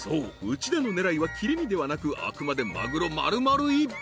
内田の狙いは切り身ではなくあくまでマグロ丸々一匹］